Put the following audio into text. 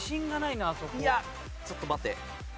いやちょっと待って。